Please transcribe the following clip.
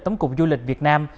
tổng cục du lịch việt nam